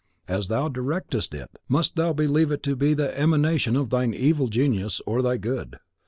As thou directest it, must thou believe it to be the emanation of thine evil genius or thy good.